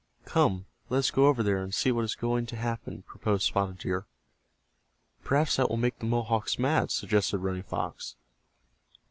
"Come, let us go over there, and see what is going to happen," proposed Spotted Deer. "Perhaps that will make the Mohawks mad," suggested Running Fox.